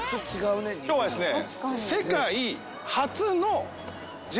今日はですね。